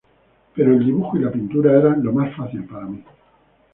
Pero el dibujo y la pintura eran lo más fácil para mí.